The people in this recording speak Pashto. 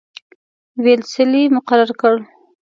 ویلسلي مقرر کړ.